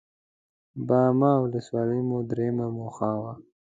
باما ولسوالي مو درېيمه موخه وه.